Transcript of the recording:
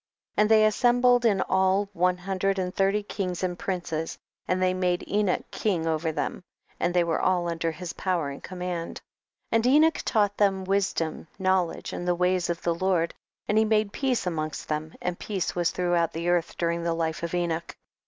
10. And they assembled in all, one hundred and thirty kings and princes, and they made Enoch king over THE BOOK OF JAS'HER '>7 them, and they were all under his power and command. 11. And Enoch taught them wis dom, knowledge, and the ways of the Lord ; and lie made peace amongst them, and peace was throughout the earth during the life of Enoch.